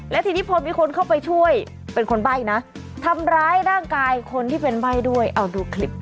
และทีนี้พอมีคนเข้าไปช่วยเป็นคนใบ้นะทำร้ายร่างกายคนที่เป็นใบ้ด้วยเอาดูคลิปค่ะ